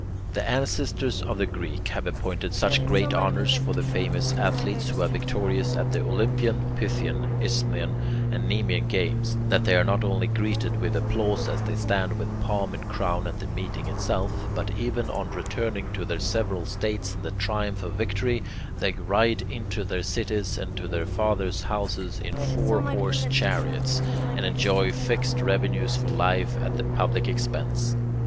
The ancestors of the Greeks have appointed such great honours for the famous athletes who are victorious at the Olympian, Pythian, Isthmian, and Nemean games, that they are not only greeted with applause as they stand with palm and crown at the meeting itself, but even on returning to their several states in the triumph of victory, they ride into their cities and to their fathers' houses in four horse chariots, and enjoy fixed revenues for life at the public expense.